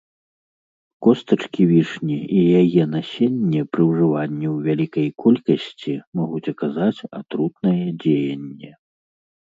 Костачкі вішні і яе насенне пры ўжыванні ў вялікай колькасці могуць аказаць атрутнае дзеянне.